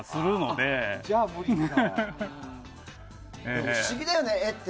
でも不思議だよね、絵って。